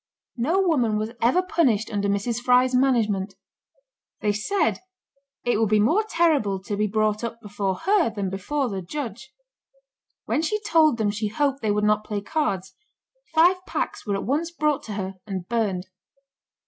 No woman was ever punished under Mrs. Fry's management. They said, "it would be more terrible to be brought up before her than before the judge." When she told them she hoped they would not play cards, five packs were at once brought to her and burned.